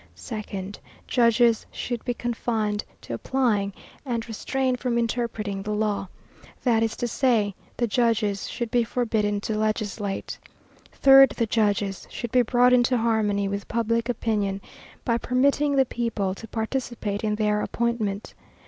Second, judges should be confined to applying, and restrained from interpreting, the law. That is to say, the judges should be forbidden to legislate. Third, the judges should be brought into harmony with public opinion by permitting the people to participate in their appointment.